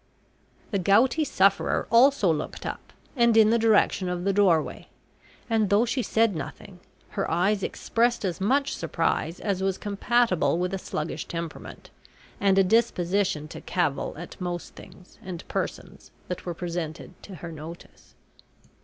The gouty sufferer also looked up, and in the direction of the doorway, and though she said nothing, her eyes expressed as much surprise as was compatible with a sluggish temperament, and a disposition to cavil at most things and persons that were presented to her notice.